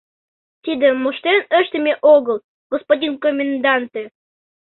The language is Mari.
— Тиде моштен ыштыме огыл, господин коменданте!